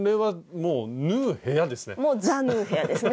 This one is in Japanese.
もう「ＴＨＥ縫う部屋」ですね。